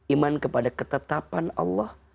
iman kepada ketetapan allah